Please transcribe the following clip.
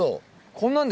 こんなんで。